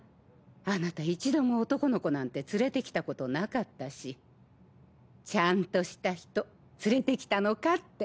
あなた一度も男の子なんて連れてきたことなかったしちゃんとした人連れてきたのかって。